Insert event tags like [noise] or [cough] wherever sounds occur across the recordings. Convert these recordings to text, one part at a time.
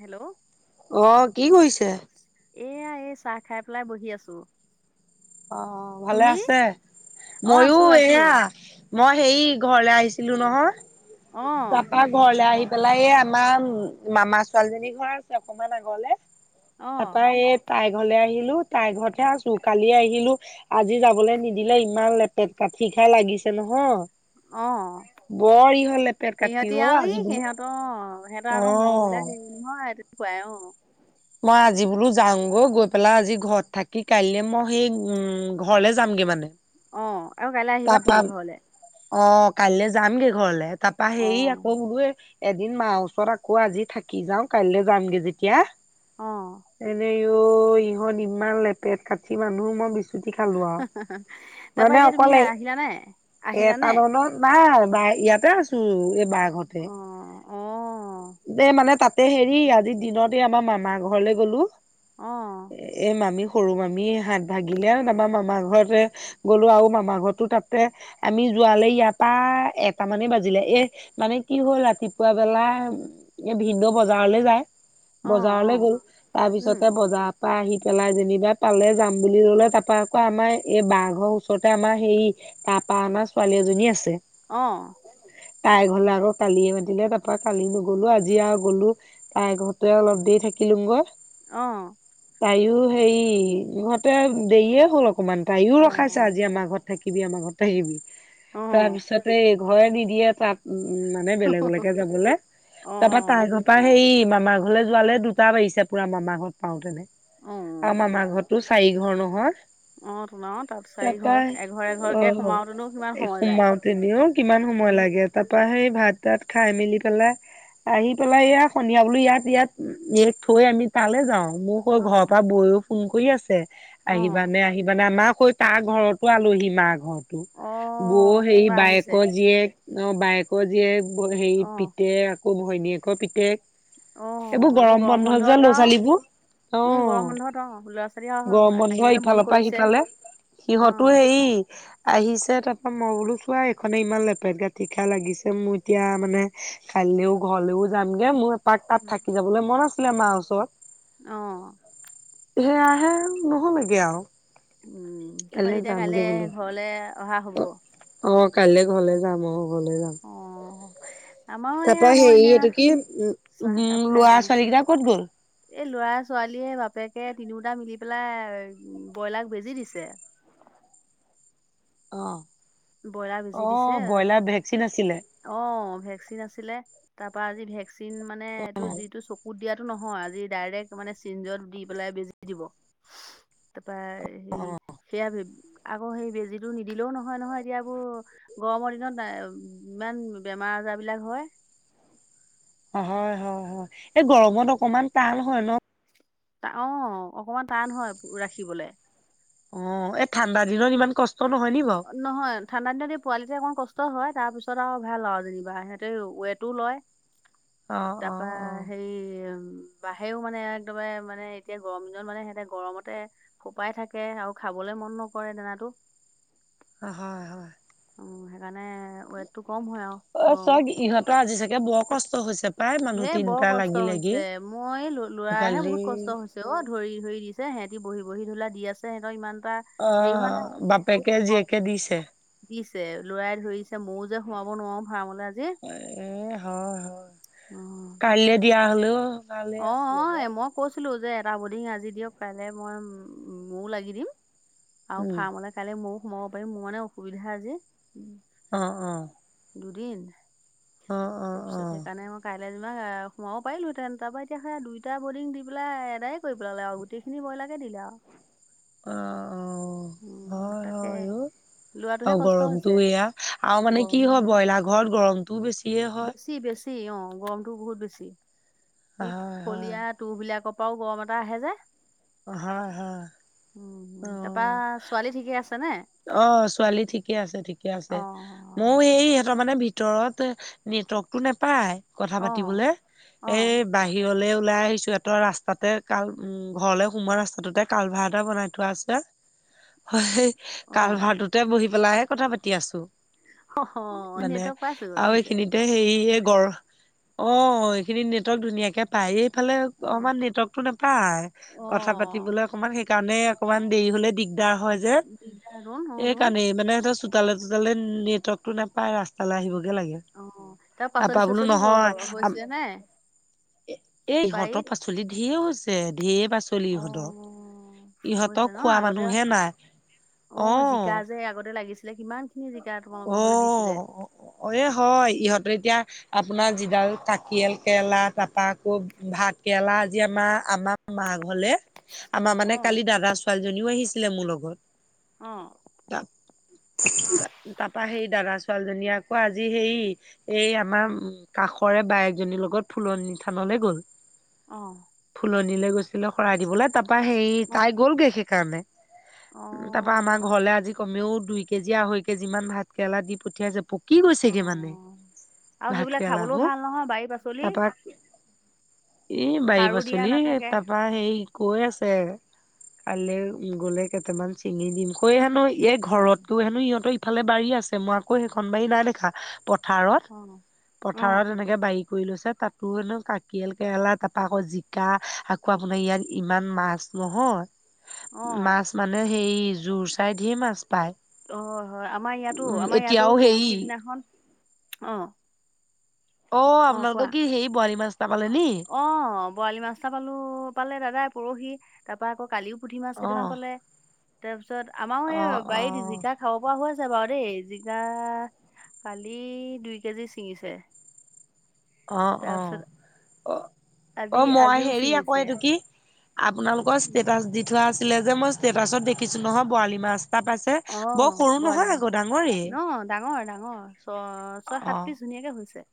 Hello অ কি কৰিছে? এয়া এই চাহ খাই পেলাই বহি আছোঁ। অ ভালে আছে? অ আছো ময়ো আছো এয়া মই সেই ঘৰলে আহিছিলোঁ নহয়। অ তা পা ঘৰলে আহি পেলাই এই আমাৰ মামাৰ ছোৱালীজনীৰ ঘৰ আছে অকমান আগলে, অ তাৰপৰা এই তাইৰ ঘৰলৈ আহিলোঁ, তাইৰ ঘৰতে আছোঁ কালি আহিলোঁ। আজি যাবলৈ নিদিলে ইমান লেপেট কাটি খাই লাগিছে নহয়। অ বৰ ই হ'লে। সিহঁতি আৰু ই সিহঁতৰ সিহঁতৰ অ। আকৌ মৰম বিলাক হেৰি নহয় এইটো খুৱাই অ। মই আজি বোলো যাওঁগৈ গৈ পেলাই আজি ঘৰত থাকি কাইলে মই সেই উ ঘৰলে যামগে মানে। অ আৰু কাইলৈ আহিবা তাৰপা নেকি ঘৰলে? অ কাইলৈ যামগে ঘৰলে তাৰপা অ হেৰি আকৌ বোলো, এদিন মাৰ ওচৰত আকৌ আজি থাকি যাওঁ কাইলৈ যামগে যেতিয়া, অ এনে আই ঐ ইমান লেপেট কাঠি মানুহ মই বিছ, ছুটি খালো আউ, মানে অকলে জানে, এটা দলত নাই বাই ইয়াতে আছো। বা ঘৰতে, অ অ দে মানে তাত এ হেৰি আজিৰ দিনতে আমাৰ মামাৰ ঘৰলৈ গ'লো। অ এ মামী সৰু মামী হাত ভাগিলে আমাৰ মামাৰ ঘৰতে গ'লো আৰু মামা ঘৰত, ত 'তাতে আমি যোৱালে ইয়াৰ পৰা এটা মানেই বাজিলে এ, মানে কি হ'ল ৰাতিপুৱা বেলা এ ভিনদেউ বজাৰলৈ যায়। অ অ বজাৰলৈ গ'ল, তাৰ উম পিছতে বজাৰ তপা আহি পেলাই যেনিবা তালে যাম বুলি ল'লে তাৰপৰা আকৌ আমাৰ এই বাঁ ঘৰৰ ওচৰতে আমাৰ হেৰি তাপা আমা ছোৱালী এজনী আছে। অ তাই ঘৰলৈ আকৌ কালিয়ে মাতিলে তাপৰা কালি নগ'লো আজি আৰু গ'লো। তাই ঘৰতে অলপ দেৰি থাকিলোঙগৈ অ তাইও হেৰি ইহঁতে দেৰিয়ে হল অকমান তাইও অ ৰখাইছে আজি আমাৰ ঘৰত থাকি [unintelligible] আমাৰ ঘৰতে থাকিবি তাৰ পিছতে এই ঘৰে নিদিয়ে তাত উম উম মানে বেলেগলেকে যাবলে অ তাপৰা তাৰ অ ঘৰ তা হেৰি মামা ঘৰলে যোৱালে দুটা বাজিছে পুৰা মামাৰ ঘৰত পাও তেনে আৰু অ মামাৰ ঘৰতটো চাৰি ঘৰ নহয় অ তোমাৰও তাৰ চাৰি ঘৰ এ ঘৰ অ অ সোমাতে দিও কিমান সময় উম লাগে? তাৰ পৰা সেই ভাত-তাত খাই মেলি পেলাই, আহি পেলাই এইয়া সন্ধিয়া বোলো ইয়াত ইয়াত ইয়াক থৈ আমি তালৈ যাও মোক অ ঘৰৰ পৰা বৌও ফোন কৰি আছে অ আহিবানে আহিবানে আমাকৈ তাৰ ঘৰতো আলোহী মাৰ ঘৰতো অ বৌওঅ হেৰি কোনোবা আহিছে বায়েকৰ জীয়েক অ বায়েক আকৌ জীয়েক হেৰি অ পিতেক আকৌ ঘৈণীয়েকৰ অ পিতেক এইবোৰ গৰম বন্ধ যে ল'ৰা-ছোৱালীবোৰ অ উম গৰম বন্ধত অ ল'ৰা ছোৱালী আৰু গৰম বন্ধ আহিবলৈ মন ইফালৰ পৰা কৰিছে সিফালে অ সিহঁতো হেৰি আহিছে তাৰপৰা মই বোলো চোৱা এইখনে ইমান লেপেট তীখা লাগিছে মই এতিয়া মানে কাইলৈও ঘৰলৈও যামগে মই তাৰ তাত উম থাকি যাবলৈ মন আছিলে মাৰ ওচৰত অ সেয়াহে নহ'লেগে আৰু উম তাৰপৰা কাইলৈ তেতিয়া যামগে কাইলে বোলো ঘৰলে অহা হব অ কাইলৈ ঘৰলৈ যাম অ ঘৰলৈ যাম অ আমাৰো তাৰপা এয়া মই হেৰি এনেয়া এইটো কি উ চাহ উম একাপ খাই ল'ৰা ছোৱালী বহিছো কেইটা ক'ত গ'ল এই লৰা-ছোৱালীয়ে বাপেকে তিনিওটা মিলি পেলাই ব্ৰইলাৰ বেজি দিছে। অ, ব্ৰইলাৰ বেজি অ দিছে ব্ৰইলাৰ ভেকচিন আছিলে। অ ভেকচিন আছিলে, তাৰ পৰা আজি ভেকচিন মানে এইটো অ যিটো চকুত দিয়াত ইটো নহয় আজি ডাইৰেক্ট মানে চিৰিঞ্জত দি পেলাই বেজি দিব। তাৰপা হেৰি সেয়া আকৌ সেই বেজীটো নিদিলেও নহয়, নহয় এতিয়াবোৰ গৰমৰ দিনত ইমান বেমাৰ আজাৰ বিলাক হয় হয় হয় হয় এই গৰমত অকণমান টান হয় ন, তা অ অকণমান টান হয়, ৰাখিবলে অ' এই ঠাণ্ডা দিনত ইমান কষ্ট নহয় নি বাও নহয় ঠাণ্ডা দিনত এই পোৱালিতে অকমান কষ্ট হয়, তাৰ পিছত আৰু ভাল আৰু যেনিবা সিহঁতে ৱেটো লয়। [inaudible] অ তাৰপা অ সেই উম। বাহেও মানে একদমে মানে এতিয়া গৰম দিনত মানে সিহতে গৰমতে। ফোপাই থাকে আৰু খাবলৈ মন নকৰে দানাতো। অ হয় হয়। অ' সেইকাৰণে ৱেটটো কম হয় আও গৰমত। তোৰ আজি চাগে বৰ কষ্ট হৈছে। পাই মানুহ এ বৰ তিনটা কষ্ট লাগি লাগি। হৈছে মই ল লৰাৰহে গালি বহুত কষ্ট হৈ অ ধৰি ধৰি দিছে সিহঁতি বহি বহি ধুলা দি আছে সিহতৰ ইমান এটা অ হেৰি হোৱা নাই। বাপেকে অ, জীয়েকে দিছে। দিছে, লৰাই ধৰিছে ময়ো যে সোমাব নোৱাৰো ফাৰ্মলে আজি। এ হয় হয় অ', কাইলৈ দিয়া হলেও ভাল। অ অ এ মক কৈছিলো যে এটা বৰ্ডিং আজি দিয়ক কাইলৈ মই ময়ো লাগি দিম আৰু উম। ফাৰ্মলে কাইলে ময়ো সোমাব পাৰিম, মোৰ মানে অসুবিধা আজি। অ অ। দুদিন অ অ অ অ তাৰপিছত সেইকাৰণেক। কাইলৈ যেনিবা আ সোমাব পাৰিলোহেতেন তাৰ পৰা এতিয়া সেয়া দুইটা বৰ্ডিং দি পেলাই এদায় কৰি পেলালে আৰু গোটেই। খিনি ব্ৰইলাকে দিলে আও। অ অ। উম শু হয় তাকে। হয় অ লোৱাটোহে কষ্ট হৈছে গৰমতটোও এয়া আৰু মানে গৰম কি হয় ব্ৰইলাৰ ঘৰত গৰমতটোও বেছি। বেছি বেছি অ গৰমটো বহুত বেছি ইট হয় হয়। ফলিয়াত। তুহ বিলাকৰ পৰাও গৰম এটা আহে যে। হয় হয়। উম তাৰপা অহ, ছোৱালী ঠিকে আছে নে অহ ছোৱালী ঠিকে আছে ঠিকে আছে। অ মই এই ইহঁতৰ মানে ভিতৰত নেটৱৰ্কতটো নাপায়। কথা অ পাতিবলে অ এই বাহিৰলে ওলাই আহিছো, ইহতঁৰ ৰাস্তাতে কাল উম ঘৰলে সোমোৱা ৰাস্তাটোতে কালভাৰ এটা বনাই থোৱা আছে, সেই অ কালভাৰটোতে বহি পেলাইহে কথা পাতি আছো। অ অ মানে নেটৱৰ্ক পাইছো আৰু ধুনীয়াকে এইখিনিত এ হেৰি গৰ, অ এইখিনিত নেটৱৰ্ক ধুনীয়াকে পায়, এইফালে অ অকমান নেটৱৰ্কতটো নাপায়, কথা অ পাতিবলে অকমান সেইকাৰণে অকমান দেৰি হলে দিগদাৰ হয় যে, দিগদাৰ ধোন অ ধোন সেইকাৰণেই মানে সিহঁতৰ চো তালে চোতালে নেটৱৰ্কতটো নাপাই ৰাস্তালৈ আহিবগে লাগে। অ তাৰ পাচলি তাপা বোলো চাচলি নহয় হৈ আপ, হৈছে নে এই বাৰীত সিহঁতৰ পাছ চলি ধেই হৈছে, ধেই পাচলি অ ইহঁতৰ। ইহঁতক হৈছে ন খোৱা আগতে, মানুহহে নাই অ জিকা যে আগতে লাগিছিলে কিমান খিনি জিকা তোমালোকৰ ঘৰলে দিছিলে। অ এ হয় ইহঁতে এতিয়া আপোনাৰ যিডাল কাকিয়েল কেৰেলা তাপা আকৌ ভাত কেৰেলা আজি আমাৰ আমা মাৰ ঘৰলে, আমাৰ অ মানে কালি দাদা ছোৱালীজনীও আহিছিলে মোৰ লগত। অ। তাপা সেই দাদা ছোৱালীজনী আকৌ আজি হেৰি এই আমাৰ উম কাষৰে বায়েকজনীৰ লগত ফুলনি থানলৈ গ'ল। অ। ফুলনিলে গৈছিলে শৰাই দিবলৈ তাপা সেই অ তাই গ'লগে সেইকাৰণে। অ তাপা আমাৰ ঘৰলে আজি কমেও দুই কেজিয়া আহৈ কেজি মান ভাত কেৰেলা দি পঠিয়াইছে, পকি অ গৈছেগে মানে। আৰু ভাত সেইবিলাক খাবলৈও কেৰেলাবোৰ। ভাল নহয় বাৰী পাচলি তাপা এই বাৰিৰ সাৰো দিয়া পাচলি, নাথাকে তাপা সেই কৈ আছে, কাইলৈ গ'লে কেইটামান চিঙি দিম। কৈ হেনো ইয়ে অ ঘৰত জানো, সিহঁতৰ ইফালে বাৰী আছে, মই আকৌ সেইখন বাৰী নাই দেখা। প থাৰত, অ পথাৰত এনে বাৰী কৰি লৈছে, তাতো [unintelligible] কাকিয়ল কেৰেলা, তাৰপা আকৌ জিকা, আকৌ আপোনাৰ ইয়াত ইমান মাছ নহয়, অ মাছ মানে হেই জোৰ চাইড ধেৰ মাছ পায়। অ', হয়। আমাৰ ইয়াতো, উম আমাৰ ইয়াতো এতিয়াও হেৰি পৰহি দিনাখন। অ'। অ', আপোনালোকৰ কি হেৰি বৰালি মাছ [unintelligible] নি? অ', বৰালি মাছ এটা পালো, পালে দাদাই বৰশী, তাপা আকৌ কালিও পুঠি মাছ অ কেইটামান পালে, তাৰপিছত আমাৰো অ এই অ বাৰীত জিকা খাব পৰা হৈ আছে বাৰু দেই। জিকা কালি দুই কেজি ছিঙিছে। অ', অ'। তাৰপিছত অ', আজি অ', মই আজিও হেৰি আকৌ ছিঙিছে এইটো কি, আপোনালোকৰ ষ্টেটাচ দি থোৱা আছিলে যে, মই ষ্টেটাছত দেখিছোঁ নহয় বৰালি মাছ। এটা পাইছে বৰ অ', সৰু নহয় বৰালি আকৌ ডাঙৰেই মাছ। অ, ডাঙৰ-ডাঙৰ, ছ অ ছয়-সাত পিছ ধুনীয়াকে হৈছে।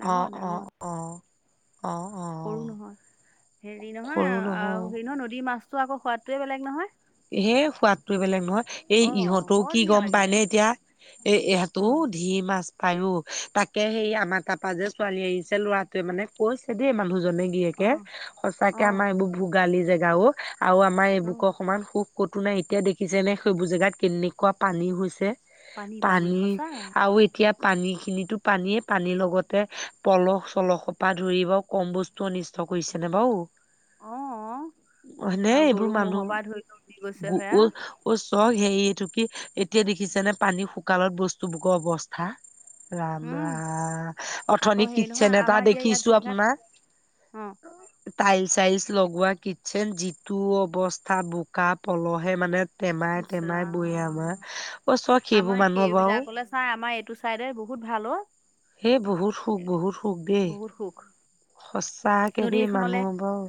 ডাঙৰ অ', ডাঙৰ অ', অ'। অ সৰু অ নহয়। হেৰি নহয় সৰু নহও আৰু হেৰি ন নদীৰ মাছ ছটোৰ আকৌ সোৱাদটোৱে বেলেগ নহয়। হে, সোৱাদটো বেলেগ নহয়। এই অ ইহঁতৰও বৰ কি ধুনীয়া গম লাগিলে পায়নে এতিয়া? এ, অ এহঁতৰো ধেৰ মা লাজ পাই অ, তাকে সেই আমাৰ তাৰপা যে ছোৱালী আহিছে, ল'ৰাটোৱে মানে কৈছে দেই মানুহজনে অ গিৰিয়েকে, অ সঁচাকে আমাৰ এইবোৰ ভোগালী জেগা অ, আৰু আমাৰ এই অ বুকৰ সমান সুখ ক'তো নাই। এতিয়া দেখিছেনে, সেইবোৰ জেগাত কেনেকুৱা পানী হৈছে। পানী, আৰু এতিয়া পানীখিনিতো পানীয়েই, পানীৰ লগতে পলহ-চলহ সোপা ধৰিব কম বস্তু অনিষ্ট কৰিছেনে বাৰু। অ', অ হয়নে, আৰু এইবোৰ গৰু মানুহ ম'হৰ পৰা ধৰি লৈ উৰি গৈছে [unintelligible] সেয়া অ', চব হেৰি এইটো কি? এতিয়া দেখিছে নে পানী শুকালত বস্তুবোৰৰ অৱ স্থা, ৰাম, উম ৰাম, আকৌ অথনি হেৰি নহয় কিটচেন আমাৰ এটা এতিয়া ইয়াত দেখিছো জেগাত আপোনাৰ অ। টাইল-চাইলছ লগোৱা কিটচেন, যিটো অৱস্থা বোকা-পলহে মানে ইচ টেমাই-টেমাই বৈয়াম হা, ৰাম অ', চব সেইবোৰ মানুহৰ বাৰু নাই, আমাৰ এইটো চাইডে বহুত ভাল অ'। সেই বহুত সুখ, বহুত সুখ দেই। বহুত সুখ সচাকে দেই, মানুহ বাৰু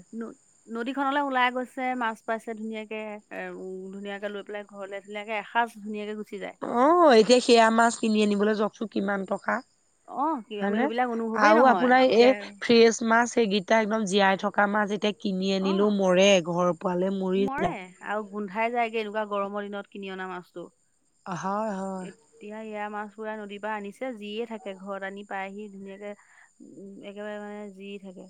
নদীখনলৈ ওলাই গৈছে, মাছ পাইছে ধুনীয়াকে আৰু ধুনীয়াকে লৈ পেলাই ঘৰলে, [unintelligible] এসাঁজ ধুনীয়াকে গুচি যায়। অ', এতিয়া সেয়া মাছ কিনি আনিবলৈ যাওকচোন কিমান টকা। অ কি হয়নে? সেইবিলাক অনুভৱেই আৰু নহয় আপোনাৰ এতিয়া এই ফ্ৰেচ মাছ সেইকেই টা একদম জীয়াই থকা মাছ এতিয়া কিনি অ আনিলো মৰে, ঘৰ পোৱালৈ মৰি মৰে যায়। আৰু গোন্ধাই যায়গে, এনেকুৱা গৰমৰ দিনত কিনি অনা মাছটো। হয়, হয়। এতিয়া এয়া মাছ পুৰা নদীৰ পৰা আনিছে জীয়ে থাকে, ঘৰত আনি পায়হি ধুনীয়াকে। উম', একেবাৰে মানে জী থাকে।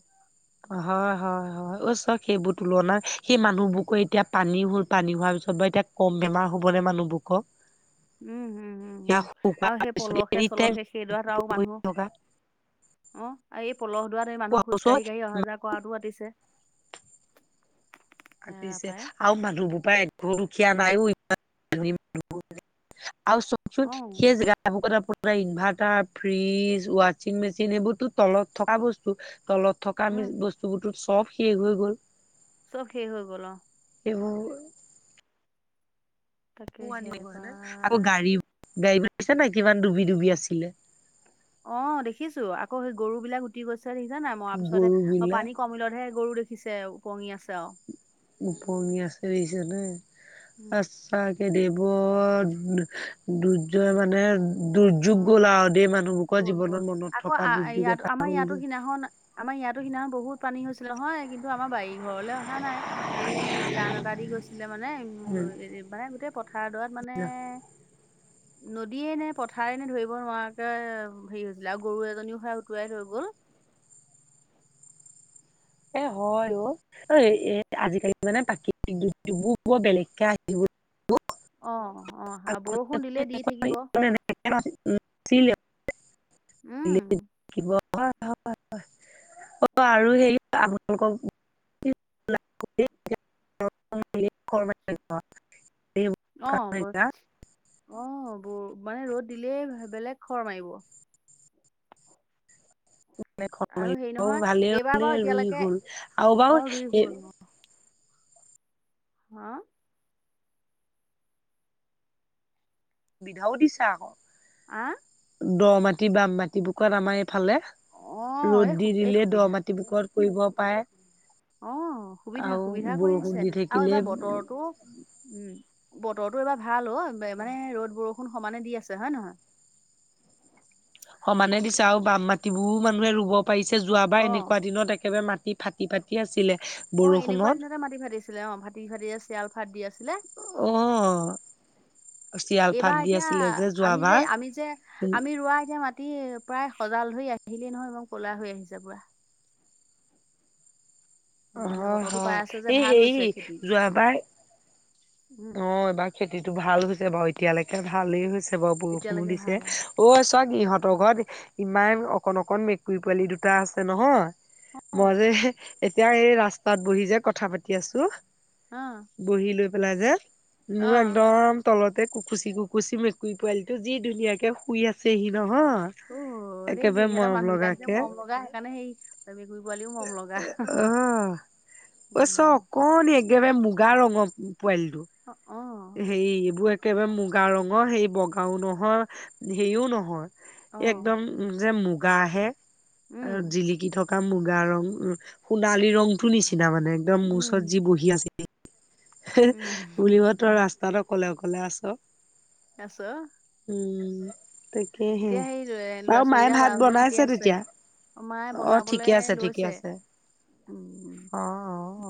হয়, হয়, হয়। অ, চাওক সেইবোৰ তুলনা, সেই মানুহবোৰকো এতিয়া পানী হ'ল, পানী হোৱাৰ পিছত বা এতিয়া কম বেমাৰ হ'বনে মানুহবোৰৰ উম হম হম হম আৰু সেই পলসে চলসে সেইডৰাত আৰু মানুহ [unintelligible] অ', আৰু এই পলহ লোৱাত এই মানুহ খোজ কাঢ়ি কাঢ়ি অহা যোৱা কৰাটো [unintelligible] আৰু পিছে পাই আৰু মানুহবোবোৰ পৰা একঘৰ দুখীয়া নাইও ইমান মানুহ আৰুব অ [unintelligible] খেজ হে জেগাত [unintelligible] ইনভাৰ্টাৰ ফ্ৰিজ ৱাশ্বিং মেচিন এইবোৰতো তলত থকা বস্তু তলত থকা আমি উম বস্তুবোৰতো চব শেষ হৈ গ'ল চব শেষ হৈ গল অ এইবোৰ [unintelligible] তাকে হেৰা আকৌ পাই গাড়ী গাড়ীবোৰ দেখিছা নাই কিমান ডুবি ডুবি আছিলে অ দেখিছো আকৌ সেই গৰু বিলাক উটি গৈছে দেখিছানে নাই মৰা পিছতে গৰু অ বিলাক পানী কমিলতহে গৰু দেখিছ -খিছে উপঙি আছে আৰু উপঙি আছে দিখিছনে উম তাকে দেই বৰ দু দুৰ্যয় মানে দুৰ্যোগ অ গ'ল আৰু দেই মানুহবোৰোকৰ গ'ল জীৱনত মনত থকা দুৰ্যোগ এটা হ'ল দেই নাহ না আমাৰ ইয়াতো সেইদিনাখন বহুত পানী হৈছিলে নহয় কিন্তু আমাৰ বাৰী ঘৰলৈ অহা নাই এই জান এটা দি গৈছিলে মানে উ মানে গোটেই পথাৰডৰাত মানে [inaudible] নদীয়ে নে পথাৰে নে ধৰিব নোৱাৰাকে হেৰি হৈছিলে আৰু গৰু এজনীও সেয়া উটুৱাই লৈ গ'ল এ হয় অ ঐ আজিকালি মানে প্ৰাকৃতিক দুৰ্যোগবোৰ বৰ বেলেগকে আহিব [unintelligible] অ অ বৰষুণ দিলেই দি থাকিব [inaudible] [unintelligible] হয় উম হয় হয় অ আৰু হেৰি আপোনালোকক [inaudible] [unintelligible] অ বি মানে ৰ'দ দিলেই বেলেগ খৰ মাৰিব বেলেগ খৰ আৰু হেৰি মাৰিব ঔ নহয় ভালে এইবাৰ হলে বাৰু ৰুই এতিয়ালৈকে হল আৰু অ বাৰু ৰুই হ'ল হা সুবিধাও দিছে আকৌ হা দ মাটি বাম মাটি মাটি বুকত আমাৰ এইফালে অ', ৰ'দ এই দি সুবি এই দিলে দ সুবিধা মাটি বুকত কৰিব পাৰে অ সুবিধা আৰু সুবিধা কৰি বৰষুণ দিছে দি আৰু থাকিলে এবাৰ বতৰতো উম বতৰটো এইবাৰ ভাল অ মানে ৰ'দ বৰষুণ সমানে দি আছে হয় নহয় সমানে দিছে আৰু বাম মাটিবোৰো মানুহে ৰুব পাৰিছে যোৱাবাৰ অ', এনেকুৱা দিনত একেবাৰে মাটি ফাটি ফাটি আছিলে অ এনেকুৱা বৰষুণত দিনতে মাটি ফাটিছিলে অ ফাটি ফাটি চিৰাল ফাট দি আছিলে অ চিৰাল ফাট এইবাৰ দি এতিয়া আছিলে আমি যে যোৱাবাৰ আমি যে আমি ৰোৱা এতিয়া মাটি প্ৰায় সজাল ধৰি আহিলেই নহয় এইবাৰ ক'লা হৈ আহিছে পুৰা অ মানে হয় বতৰটো পাই হয় আছে যে এই ভাল হৈছে হেৰি খেতি যোৱাবাৰ উম, অ এইবাৰ খেতিটো ভাল হৈছে বাৰু এতিয়ালৈকে ভালেই হৈছে বাৰু বৰষুণো এতিয়ালৈকে ভাল দিছে অ চাওঁক ইহঁতৰ ঘৰত ইমান অকণ অকণ মেকুৰী পোৱালি দুটা আছে নহয় মই অ', যে এতিয়া এই ৰাস্তাত বহি যে কথা পাতি আছো অ'। বহি লৈ পেলাই যে, মোৰ অ'। একদম তলতে কুকুচি, কুকুচি মেকুৰী পোৱালিটো যি ধুনীয়াকে শুই আছে হি নহয়। অ', ৰে একেবাৰে সিহঁতৰ মৰম মানুহবিলাক যে লগাকে মৰম লগা সেইকাৰণে সেই মেকুৰী পোৱালিও মৰমলগা। অ ঐ, চ অকণি একেবাৰে মুগা ৰঙৰ পোৱালিটো। অ'। হেৰি এইবোৰ একেবাৰে মুগা ৰঙৰ হেৰি বগাও নহয়, হেৰিও অ নহয়। একদম যে মুগাহে আৰু উম জিলিকি থকা মুগা ৰং সোণালী ৰংটো নিচিনা মানে একদম মোৰ উম ওচৰত যি বহি আছিল। উম বুলিবা তই ৰাস্তাত অকলে, অকলে আছ। আছ উম, তাকেহে। এতিয়া সেই ল'ৰা বাৰু মায়ে ছোৱালীকেইটা বা ভাত ভাগৰ ঠিকে বনাইছে আছে। তেতিয়া। অ মায়ে অ', বনাবলে ঠিকে আছে, ঠিকে লৈছে আছে। উম অ', অ'। অ